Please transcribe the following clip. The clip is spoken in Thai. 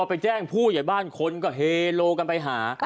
ไปแจ้งผู้ใหญ่บ้านคนก็เฮโลกันไปหา